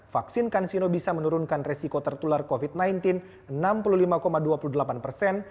vaksin kansino bisa menurunkan resiko tertular covid sembilan belas enam puluh lima dua puluh delapan persen